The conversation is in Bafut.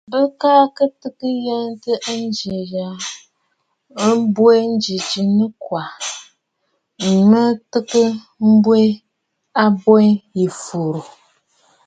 Bɨ kɨ̀ yàtə̂ ǹjɨ̀ʼɨ̀ ja ɨ̀bwèn ji nɨkwà, mə̀ tɨgə̀ m̀bwɛɛ abwen yî fùùrə̀.